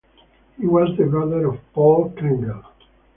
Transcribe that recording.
He was the brother of Paul Klengel.